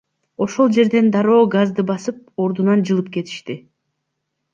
Ошол жерден дароо газды басып, ордунан жылып кетишти.